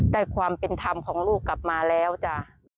ความเป็นธรรมของลูกกลับมาแล้วจ้ะ